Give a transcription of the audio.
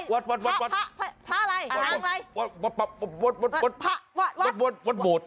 วัดอะไรพระอะไรนางอะไรวัดบท